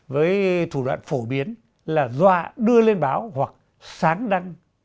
với thủ đoạn phổ biến là dọa đưa lên báo hoặc sáng đăng